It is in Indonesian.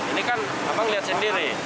ini kan apa melihat sendiri